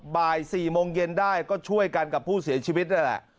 บ่าย๔โมงเย็นได้ก็ช่วยกันกับผู้เสียชีวิตนั่นแหละ